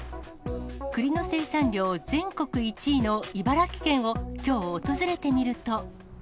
栗の生産量全国１位の茨城県をきょう、訪れてみると。